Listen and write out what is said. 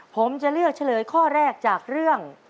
ผมจะเลือกเฉลยข้อแรกจากเรื่อง